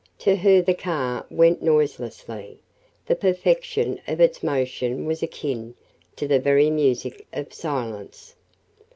To her the car went noiselessly the perfection of its motion was akin to the very music of silence.